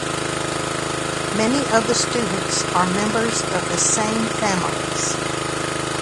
Many of the students are members of the same families.